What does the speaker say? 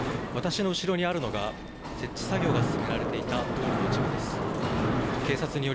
私の後ろにあるのが設置作業が進められていた道路の一部です。